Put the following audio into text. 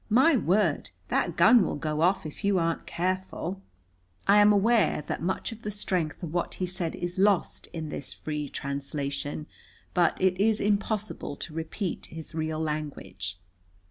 My word, that gun will go off if you aren't careful!" I am aware that much of the strength of what he said is lost in this free translation. But it is impossible to repeat his real language.